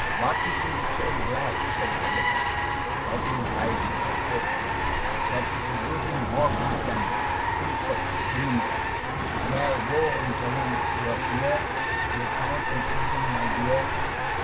'Barkis will be so glad,' said Peggotty, wiping her eyes with her apron, 'that it'll do him more good than pints of liniment. May I go and tell him you are here? Will you come up and see him, my dear?